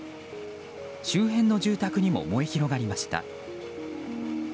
周辺の住宅にも燃え広がりました。